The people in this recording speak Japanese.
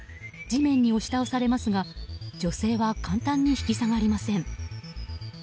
地面に押し倒されますが女性は簡単に引き下がりません。